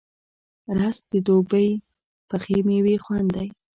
رس د دوبی پخې میوې خوند دی